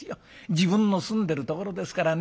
自分の住んでるところですからね